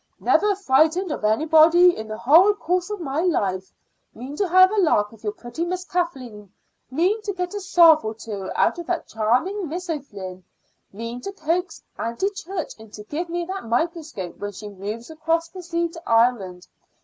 "Never frightened of anybody in the whole course of my life. Mean to have a lark with your pretty Miss Kathleen; mean to get a sov. or two out of that charming Miss O'Flynn; mean to coax Aunty Church to give me that microscope when she moves across the sea to Ireland.